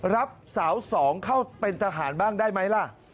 รับสาวสองเข้าเป็นทหารบ้างได้ไหมล่ะ